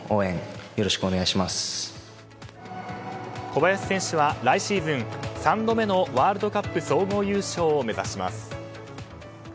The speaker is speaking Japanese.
小林選手は来シーズン３度目のワールドカップ総合優勝を目指します。